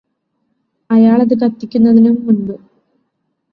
അയാളത് കത്തിക്കുന്നതിനും മുമ്പ്